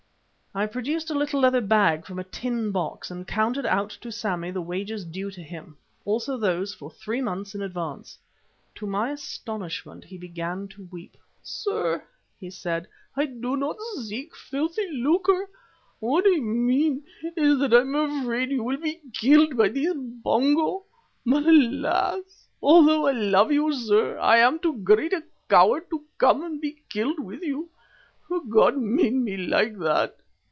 I produced a little leather bag from a tin box and counted out to Sammy the wages due to him, also those for three months in advance. To my astonishment he began to weep. "Sir," he said, "I do not seek filthy lucre. What I mean is that I am afraid you will be killed by these Pongo, and, alas! although I love you, sir, I am too great a coward to come and be killed with you, for God made me like that.